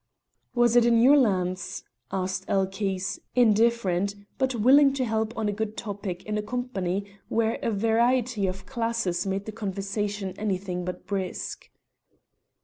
"Was't in your lands?" asked Elchies, indifferent, but willing to help on a good topic in a company where a variety of classes made the conversation anything but brisk.